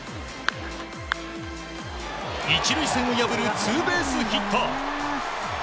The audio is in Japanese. １塁線を破るツーベースヒット。